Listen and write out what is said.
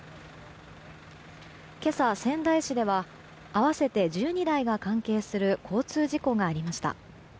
今朝、仙台市では合わせて１２台が関係する交通事故がありました。